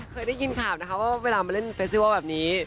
เคยได้ยินข่าวนะคะว่าเวลามาเล่นเฟสติวัลแบบนี้